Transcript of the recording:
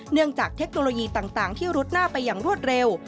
จากเทคโนโลยีต่างที่รุดหน้าไปอย่างรวดเร็ว